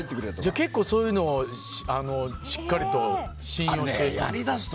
結構そういうのしっかりと信用してると。